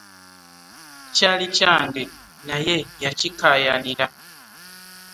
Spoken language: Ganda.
Kyali kyange naye yakikaayanira.